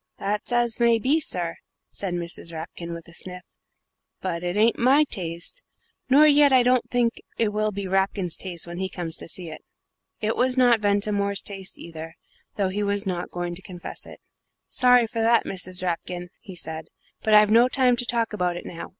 "That's as may be sir," said Mrs. Rapkin, with a sniff, "but it ain't my taste, nor yet I don't think it will be Rapkin's taste when he comes to see it." It was not Ventimore's taste either, though he was not going to confess it. "Sorry for that, Mrs. Rapkin," he said, "but I've no time to talk about it now.